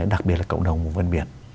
đặc biệt là cộng đồng của vân biển